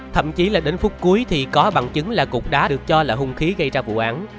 thậm chí là đến phút cuối thì có bằng chứng là cục đá được cho là hung khí gây ra vụ án